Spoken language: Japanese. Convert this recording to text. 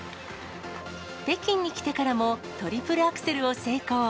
北京に来てからも、トリプルアクセルを成功。